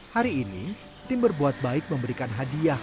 hari ini tim berbuat baik memberikan hadiah